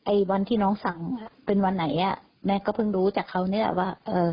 วันที่น้องสั่งเป็นวันไหนอ่ะแม่ก็เพิ่งรู้จากเขานี่แหละว่าเอ่อ